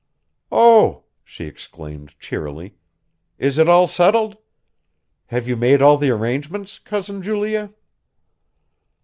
"Oh," she exclaimed cheerily, "is it all settled? Have you made all the arrangements, Cousin Julia?"